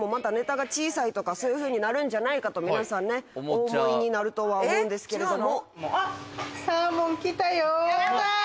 そういうふうになるんじゃないかと皆さんねお思いになるとは思うんですけれども。